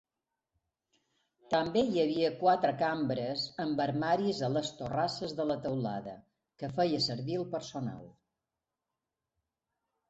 També hi havia quatre cambres amb armaris a les torrasses de la teulada, que feia servir el personal.